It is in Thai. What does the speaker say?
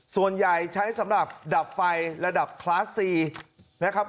ส่วนใหญ่ใช้สำหรับดับไฟระดับคลาสซีนะครับ